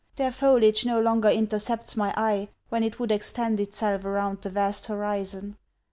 Their foliage no longer intercepts my eye when it would extend itself around the vast horizon.